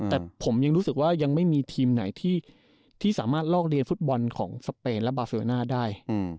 แต่ผมยังรู้สึกว่ายังไม่มีทีมไหนที่สามารถลอกเรียนฟุตบอลของสเปนและบาเฟอร์น่าได้